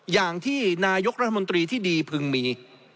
อย่างที่นายกรัฐมนตรีที่ดีพึงมี